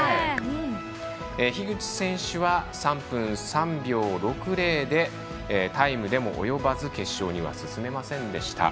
樋口選手は３分３秒６０でタイムでも及ばず決勝には進めませんでした。